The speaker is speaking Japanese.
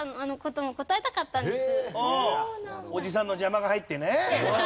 おじさんの邪魔が入ってね。